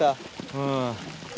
うん。